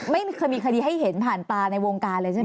ไม่เคยมีคดีให้เห็นผ่านตาในวงการเลยใช่ไหม